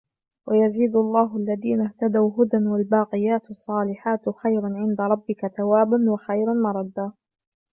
وَيَزِيدُ اللَّهُ الَّذِينَ اهْتَدَوْا هُدًى وَالْبَاقِيَاتُ الصَّالِحَاتُ خَيْرٌ عِنْدَ رَبِّكَ ثَوَابًا وَخَيْرٌ مَرَدًّا